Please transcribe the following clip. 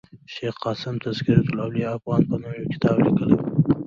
شېخ قاسم تذکرة الاولياء افغان په نوم یو کتاب لیکلی ؤ.